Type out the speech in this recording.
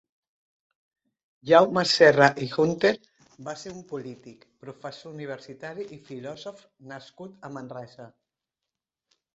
Jaume Serra i Húnter va ser un polític, professor universitari i filòsof nascut a Manresa.